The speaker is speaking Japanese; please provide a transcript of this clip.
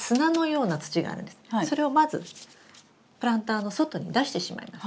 それをまずプランターの外に出してしまいます。